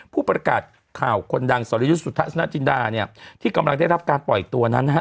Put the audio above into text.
ผู้ประกาศข่าวคนดังสรยุทธสนจินดาเนี่ยที่กำลังได้รับการปล่อยตัวนั้นนะฮะ